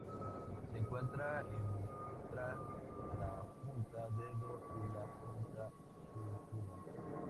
Se encuentra entra la punta Dedo y la punta Sulfuro.